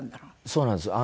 そうなんですよ。